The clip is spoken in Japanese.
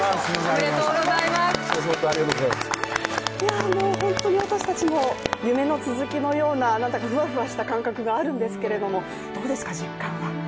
いや、もう本当に私たちも夢の続きのような何だかふわふわした感覚があるんですけども、どうですか、実感は？